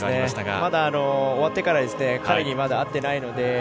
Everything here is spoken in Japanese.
まだ、終わってから彼にまだ会っていないので。